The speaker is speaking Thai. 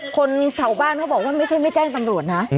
คนแถวบ้านเขาบอกว่าไม่ใช่ไม่แจ้งตำรวจนะ